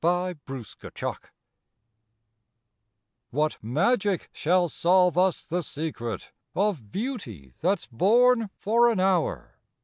INTERPRETED What magic shall solve us the secret Of beauty that's born for an hour?